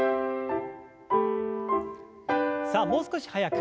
さあもう少し速く。